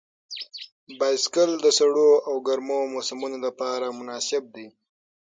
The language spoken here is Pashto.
بایسکل د سړو او ګرمو موسمونو لپاره مناسب دی.